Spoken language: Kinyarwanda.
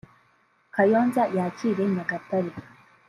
Kayonza yakire Nyagatare